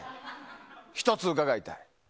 １つ、伺いたい。